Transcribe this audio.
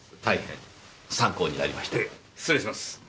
失礼します。